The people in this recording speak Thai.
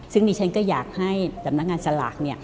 ซึ่งดิฉันก็อยากให้สำนักงานสลาก